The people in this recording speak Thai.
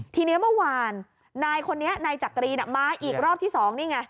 ทีนี้เมื่อวานนายคนนี้นายจักรีนมาอีกรอบที่๒นี่ไง